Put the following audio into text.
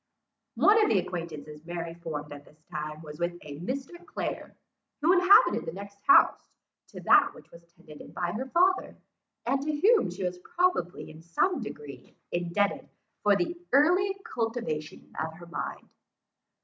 One of the acquaintances Mary formed at this time was with a Mr. Clare, who inhabited the next house to that which was tenanted by her father, and to whom she was probably in some degree indebted for the early cultivation of her mind.